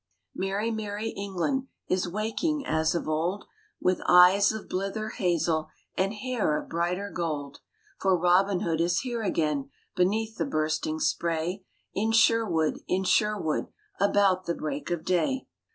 Merry, merry England is waking as of old, With eyes of blither hazel and hair of brighter gold : For Robin Hood is here again beneath the bursting spray In Sherwood, in Sherwood, about the break of day.